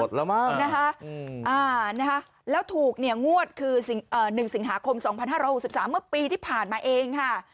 แล้วมากนะคะแล้วถูกเนี่ยงวดคือ๑สิงหาคม๒๕๖๓เมื่อปีที่ผ่านมาเองค่ะ